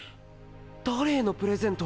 誰へのプレゼント？